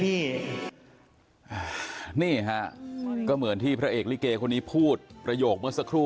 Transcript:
ก่อนที่จะก่อเหตุนี้นะฮะไปดูนะฮะสิ่งที่เขาได้ทิ้งเอาไว้นะครับ